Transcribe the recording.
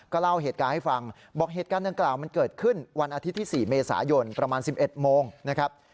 เล่าเหตุการณ์ให้ฟังบอกเหตุการณ์ดังกล่าวมันเกิดขึ้นวันอาทิตย์ที่๔เมษายนประมาณ๑๑โมงนะครับ